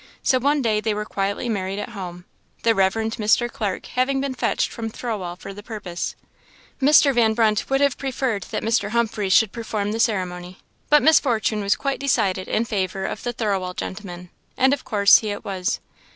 So one day they were quietly married at home, the Rev. Mr. Clark having been fetched from Thirlwall for the purpose. Mr. Van Brunt would have preferred that Mr. Humphreys should perform the ceremony; but Miss Fortune was quite decided in favour of the Thirlwall gentleman, and of course he it was.